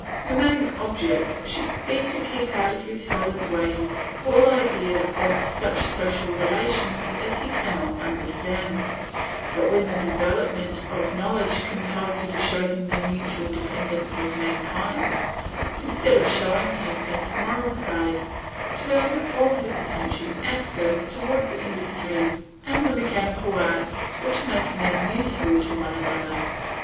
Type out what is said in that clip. Your main object should be to keep out of your scholar's way all idea of such social relations as he cannot understand, but when the development of knowledge compels you to show him the mutual dependence of mankind, instead of showing him its moral side, turn all his attention at first towards industry and the mechanical arts which make men useful to one another.